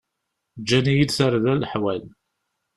Ǧǧan-iyi-d tarda leḥwal.